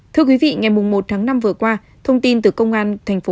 thưa quý vị ngày một tháng năm vừa qua thông tin từ công an tp hcm công an phường một mươi